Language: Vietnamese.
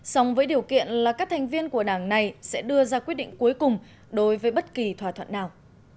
song với điều kiện là các thành viên của đảng này sẽ đưa ra quyết định cuối cùng đối với bất kỳ thỏa thuận nào